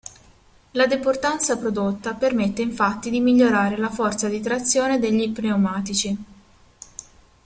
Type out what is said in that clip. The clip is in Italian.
La deportanza prodotta permette infatti di migliorare la forza di trazione degli pneumatici.